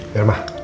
irma ke rumah meja